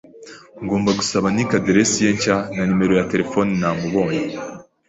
Ngomba gusaba Nick aderesi ye nshya na nimero ya terefone namubonye.